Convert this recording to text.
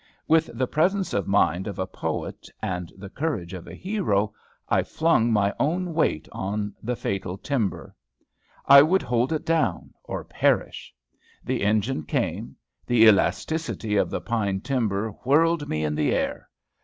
With the presence of mind of a poet, and the courage of a hero, I flung my own weight on the fatal timber. I would hold it down, or perish. The engine came. The elasticity of the pine timber whirled me in the air!